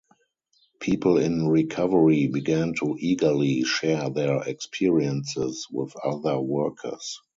People in "recovery" began to eagerly share their experiences with other workers.